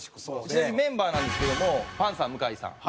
ちなみにメンバーなんですけどもパンサー向井さん